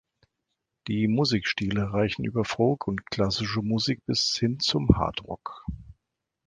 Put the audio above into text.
Die Musikstile reichen über Folk und Klassische Musik bis hin zum Hardrock.